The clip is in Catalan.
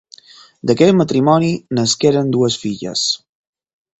D'aquest matrimoni nasqueren dues filles: